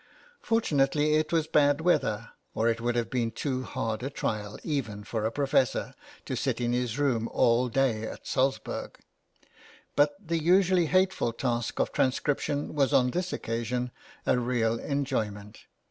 Fortunately, it was bad weather, or it would have been too hard a trial, even for a professor, to sit in his room all day at Salzburg. But the usually hateful task of transcription was on this occasion a real enjoyment.